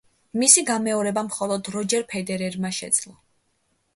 მისი გამეორება მხოლოდ როჯერ ფედერერმა შეძლო.